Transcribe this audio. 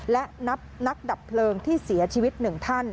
และนับนักดับเพลิงที่เสียชีวิต๑ท่าน